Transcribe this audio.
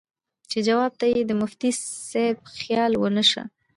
چې جواب ته ئې د مفتي صېب خيال ونۀ شۀ